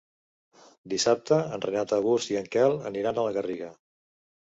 Dissabte en Renat August i en Quel aniran a la Garriga.